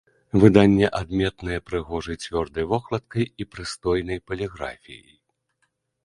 Выданне адметнае прыгожай цвёрдай вокладкай і прыстойнай паліграфіяй.